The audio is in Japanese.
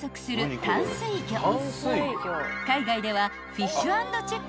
［海外では］